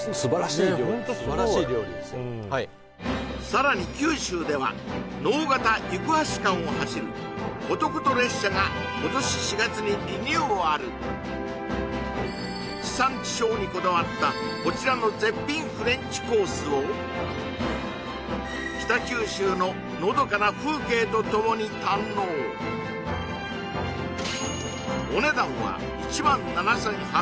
ねっホントすごいさらに九州では直方行橋間を走ることこと列車が今年４月にリニューアル地産地消にこだわったこちらの絶品フレンチコースを北九州ののどかな風景とともに堪能お値段は１万７８００円